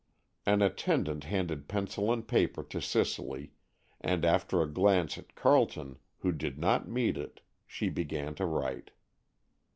An attendant handed pencil and paper to Cicely, and, after a glance at Carleton, who did not meet it, she began to write.